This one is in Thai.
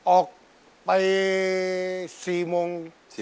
ออกไป๔โมง